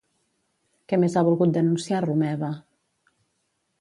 Què més ha volgut denunciar Romeva?